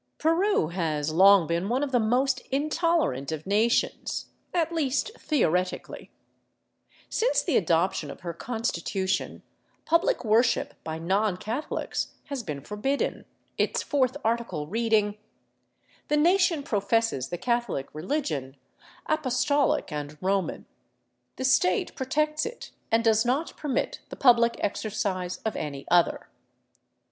Peru has long been one of the most intolerant of nations, at least theoretically. Since the adoption of her constitution public worship by non Catholics has been forbidden, its fourth article reading :" The nation professes the Catholic religion, Apostolic and Roman ; the state protects it, and does not permit the public exercise of any other."